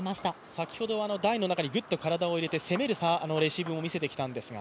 先ほどは台の中にグッと体を入れて攻めるレシーブも見せてきたんですが？